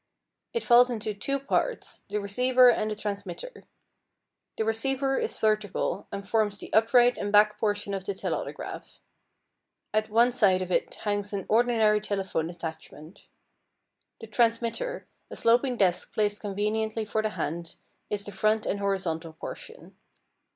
It falls into two parts, the receiver and the transmitter. The receiver is vertical and forms the upright and back portion of the telautograph. At one side of it hangs an ordinary telephone attachment. The transmitter, a sloping desk placed conveniently for the hand, is the front and horizontal portion.